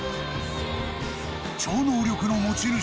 ［超能力の持ち主！？］